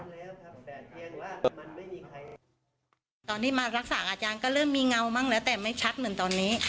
มารักษาอาจารย์ก็เริ่มมีเงามั่งแล้วแต่ไม่ชัดเหมือนตอนนี้